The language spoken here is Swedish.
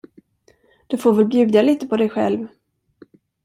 Du får väl bjuda lite på dig själv!